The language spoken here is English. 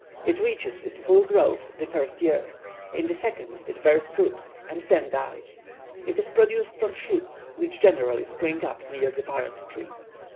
It reaches its full growth the first year: in the second it bears fruit, and then dies. It is produced from shoots, which generally spring up near the parent tree.